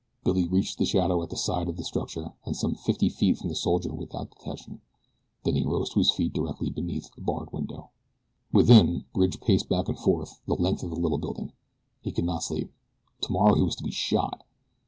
Billy reached the shadow at the side of the structure and some fifty feet from the soldier without detection. Then he rose to his feet directly beneath a barred window. Within Bridge paced back and forth the length of the little building. He could not sleep. Tomorrow he was to be shot!